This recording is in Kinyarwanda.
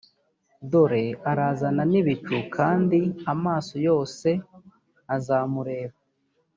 dore arazana n ibicu kandi amaso yose azamureba